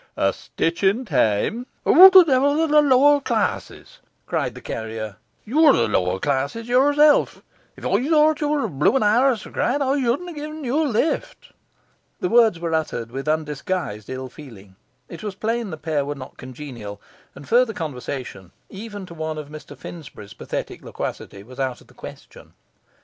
A stitch in time ' 'Who the devil ARE the lower classes?' cried the carrier. 'You are the lower classes yourself! If I thought you were a blooming aristocrat, I shouldn't have given you a lift.' The words were uttered with undisguised ill feeling; it was plain the pair were not congenial, and further conversation, even to one of Mr Finsbury's pathetic loquacity, was out of the question.